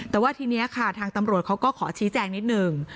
แต่ทีนี้ทางตำรวจก็ขอชี้แจงนิดนึง